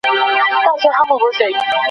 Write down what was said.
ایا ته غواړې چې نن له موږ سره لاړ شې؟